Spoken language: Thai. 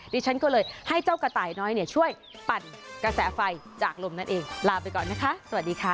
ดิฉันก็เลยให้เจ้ากระต่ายน้อยเนี่ยช่วยปั่นกระแสไฟจากลมนั่นเองลาไปก่อนนะคะสวัสดีค่ะ